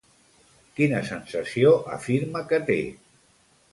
Quina sensació afirma que té?